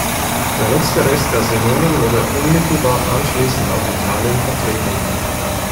Der letzte Rest der Senonen wurden unmittelbar anschließend aus Italien vertrieben.